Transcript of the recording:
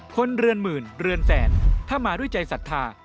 เรือนหมื่นเรือนแสนถ้ามาด้วยใจศรัทธา